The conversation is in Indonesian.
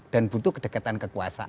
dan butuh kedekatan kekuasaan